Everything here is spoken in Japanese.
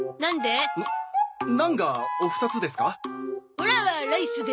オラはライスで。